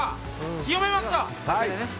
清めました。